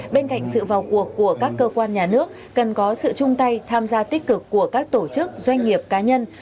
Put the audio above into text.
bên cạnh sự vào cuộc của các cơ quan nhà nước cần có sự chung tay tham gia tích cực của các tổ chức doanh nghiệp cá nhân